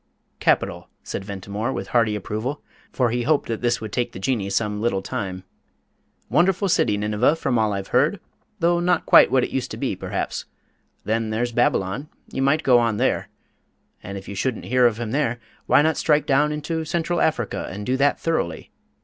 "Capital," said Ventimore, with hearty approval, for he hoped that this would take the Jinnee some little time. "Wonderful city, Nineveh, from all I've heard though not quite what it used to be, perhaps. Then there's Babylon you might go on there. And if you shouldn't hear of him there, why not strike down into Central Africa, and do that thoroughly?